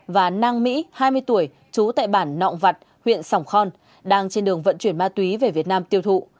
và năng mỹ hai mươi tuổi chú tại bản nọng vặt huyện sòng khon đang trên đường vận chuyển ma túy về việt nam tiêu thụ